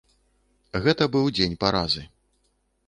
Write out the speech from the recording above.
Гэта быў дзень паразы.